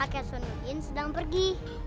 kiyai hasanuddin sedang pergi